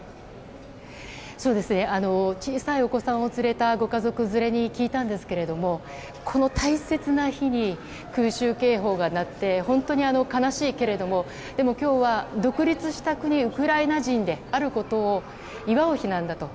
小さいお子さんを連れたご家族連れに聞いたんですけどもこの大切な日に空襲警報が鳴って本当に悲しいけれどもでも今日は独立した国ウクライナ人であることを祝う日なんだと。